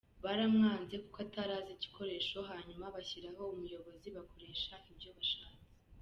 Baramwanze kuko atari igikoresho, hanyuma bashyiraho umuyobozi bakoresha ibyo bashatse.